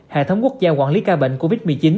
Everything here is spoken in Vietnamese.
hệ thống quốc gia quản lý ca bệnh covid một mươi chín